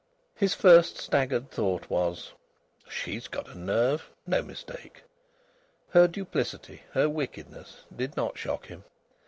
His first staggered thought was: "She's got a nerve! No mistake!" Her duplicity, her wickedness, did not shock him.